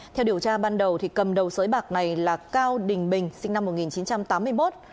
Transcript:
theo điều tra ban đầu cầm đầu sới bạc này là cao đình bình sinh năm một nghìn chín trăm tám mươi một